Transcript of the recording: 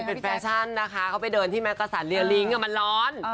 มันเป็นแฟชั่นนะคะเขาไปเดินที่มันร้อน